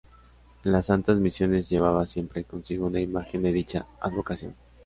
En las santas misiones llevaba siempre consigo una imagen de dicha advocación.